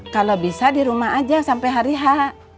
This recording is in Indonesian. kalau bisa di rumah aja sampai hari h